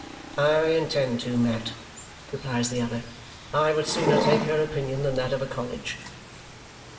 "I intend to, Mat," replies the other. "I would sooner take her opinion than that of a college."